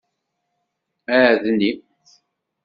Adni.